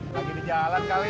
lagi di jalan kali